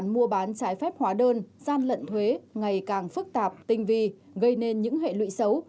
mua bán trái phép hóa đơn gian lận thuế ngày càng phức tạp tinh vi gây nên những hệ lụy xấu